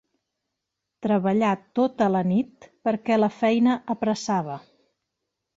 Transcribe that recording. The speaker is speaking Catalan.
Treballà tota la nit perquè la feina apressava.